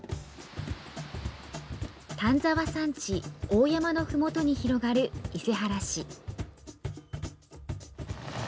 丹沢山地、大山のふもとに広がる伊勢原市。